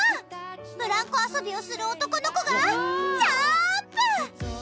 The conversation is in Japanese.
ブランコ遊びをする男の子がジャーンプ！